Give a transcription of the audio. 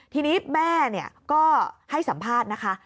ทีนี้แม่ก็ให้สัมภาษณ์นะคะ